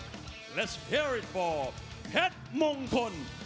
สวัสดีครับทุกคน